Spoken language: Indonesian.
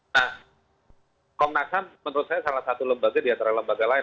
nah komnas ham menurut saya salah satu lembaga di antara lembaga lain